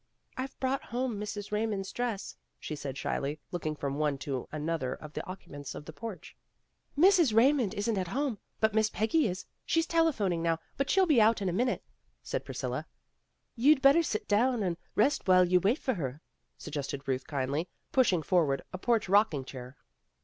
"I've brought home Mrs. Raymond's dress," she said shyly, looking from one to another of the occupants of the porch. "Mrs. Raymond isn't home, but Miss Peggy is. She's telephoning now, but she'll be out in a minute," said Priscilla. "You'd better sit down and rest while you wait for her," suggested Ruth kindly, pushing forward a porch rocking chair.